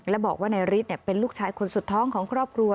และบอกว่านายฤทธิ์เป็นลูกชายคนสุดท้องของครอบครัว